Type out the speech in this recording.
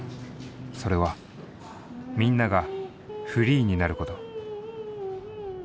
それはみんなが「Ｆｒｅｅ」になること。